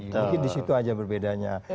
mungkin di situ aja berbedanya